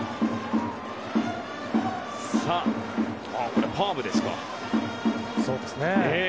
これは、パームですか。